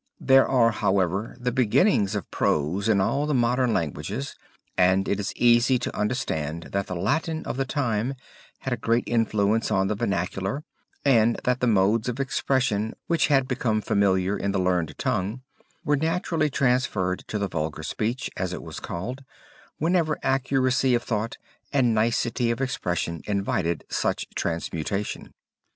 There are, however, the beginnings of Prose in all the modern languages and it is easy to understand that the Latin of the time had a great influence on the vernacular and that the modes of expression which had become familiar in the learned tongue, were naturally transferred to the vulgar speech, as it was called, whenever accuracy of thought and nicety of expression invited such transmutation.